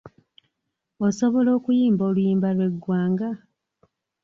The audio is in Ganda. Osobola okuyimba oluyimba lw'eggwanga?